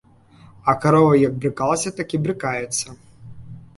А карова як брыкалася, так і брыкаецца.